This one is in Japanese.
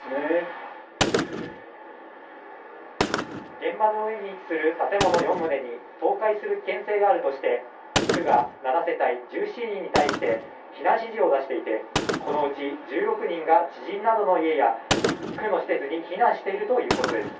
現場の上に位置する建物四棟に倒壊する危険性があるとして区が７世帯１７人に対して避難指示を出していてこのうち１６人が知人などの家や区の施設に避難しているということです